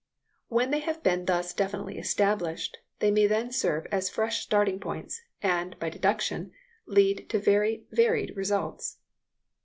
When they have been thus definitely established, they may serve as fresh starting points, and, by deduction, lead to very varied discoveries.